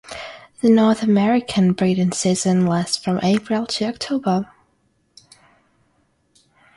The North American breeding season lasts from April to October.